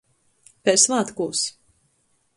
Kai svātkūs.